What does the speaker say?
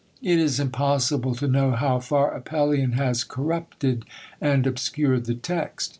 It is impossible to know how far Apellion has corrupted and obscured the text.